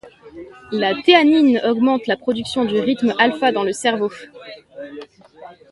La théanine augmente la production du rythme alpha dans le cerveau.